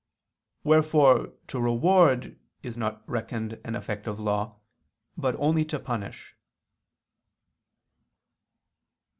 Wherefore to reward is not reckoned an effect of law, but only to punish.